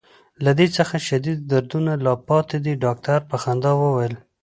له دې څخه شدید دردونه لا پاتې دي. ډاکټر په خندا وویل.